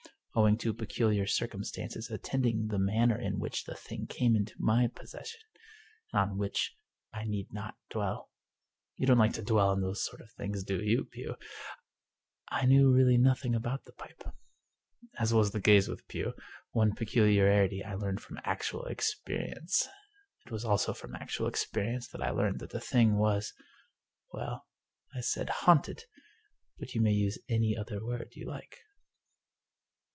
Owing to peculiar circumstances attending the manner in which the thing came into my possession, and on which I need not dwell — you don't like to dwell on those sort of things, do you, Pugh? — I knew really nothing about the pipe. As was the case with Pugh, one peculiarity I learned from actual experience. It was also from actual experience that I learned that the thing was — well, I said haunted, but you may use any other word you like."